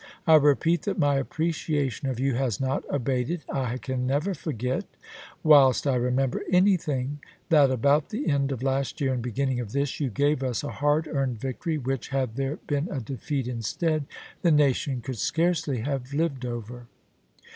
I repeat that my appreciation of you has not abated. I can never forget whilst I remember any thing that about the end of last year and beginning of this, you gave us a hard earned victory, which, Keci^D^, had there been a defeat instead, the nation could is^f'uk scarcely have lived over."